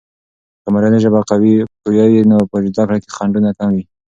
که مورنۍ ژبه قوية وي، نو په زده کړه کې خنډونه کم وي.